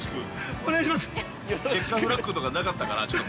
◆お願いします。